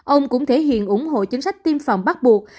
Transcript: ông cũng thể hiện ủng hộ chính sách tiêm phòng bắt buộc